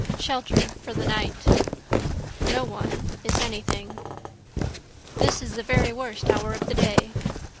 Shelter, for the night. No one is anything. This is the very worst hour of the day.